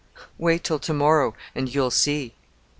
"Wait till to morrow, and you'll see."